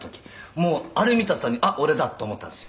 「もうあれ見た途端にあっ俺だと思ったんですよ」